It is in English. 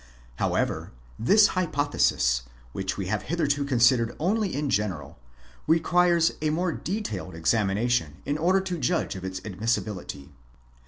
However, this hypothesis, which we have hitherto considered only in general, requires a more detailed examination in order to judge of its admissi bility.